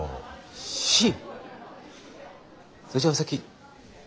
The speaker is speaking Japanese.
それじゃお先。